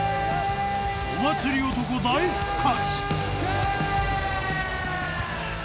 ［お祭り漢大復活］